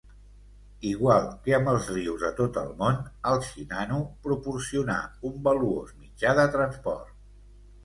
Igual que amb els rius de tot el món, el Shinano proporcionà un valuós mitjà de transport.